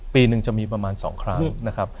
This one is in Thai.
ปีหนึ่งจะมีประมาณ๒ครั้งนะครับ